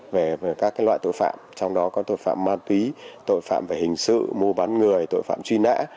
về các loại tội phạm trong đó có tội phạm ma túy tội phạm về hình sự mua bán người tội phạm truy nã